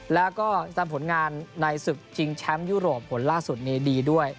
แล้วก็จำผลงานในศึกชิงแชมป์ยุโรปผลล่าสุดนี้ดีด้วย